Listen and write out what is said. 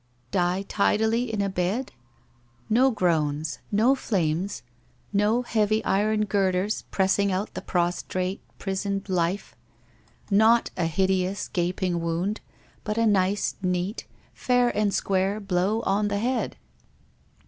Die tidily in a bed? No groans! No flames! No heavy iron girders pressing out the prostrate prisoned life ! Not a hideous gaping wound, but a nice, neat, fair WHITE ROSE OF WEARY LEAF 247 and square blow on the head.